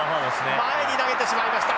前に投げてしまいました。